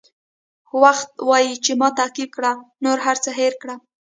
وخت وایي چې ما تعقیب کړه نور هر څه هېر کړه.